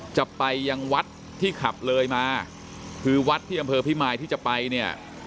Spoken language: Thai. จะไปยังวัดที่ขับเลยมาคือวัดที่อำเภอพิมายที่จะไปเนี่ย